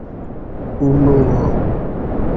unuo